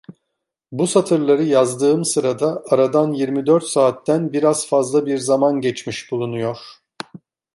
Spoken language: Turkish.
Bu satırları yazdığım sırada aradan yirmi dört saatten biraz fazla bir zaman geçmiş bulunuyor.